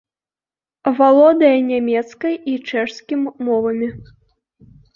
Валодае нямецкай і чэшскім мовамі.